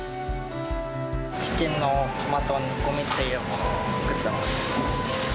チキンのトマト煮込みっていうものを作ってます。